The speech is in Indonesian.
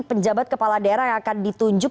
penjabat kepala daerah yang akan ditunjuk